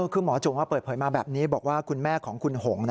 คือหมอจุ๋มเปิดเผยมาแบบนี้บอกว่าคุณแม่ของคุณหง